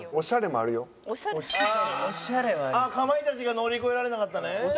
あっかまいたちが乗り越えられなかったね。